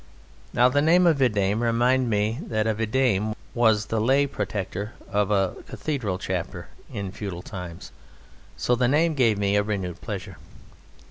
Now the name "Vidame" reminded me that a "Vidame" was the lay protector of a Cathedral Chapter in feudal times, so the name gave me a renewed pleasure.